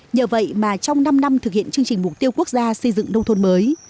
nhờ vậy mà trong năm năm thực hiện chương trình mục tiêu quốc gia xây dựng nông thôn mới